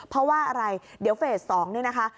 เพราะว่าอะไรเดี๋ยวเฟส๒นี่นะคะ